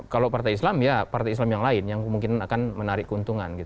kalau partai islam ya partai islam yang lain yang kemungkinan akan menarik keuntungan